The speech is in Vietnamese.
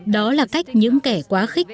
đó là cách những kẻ quá khích